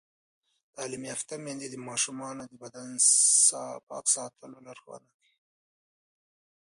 تعلیم یافته میندې د ماشومانو د بدن پاک ساتلو لارښوونه کوي.